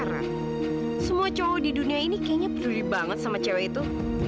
karena semua cowok di dunia ini kayaknya peduli banget sama cewek itu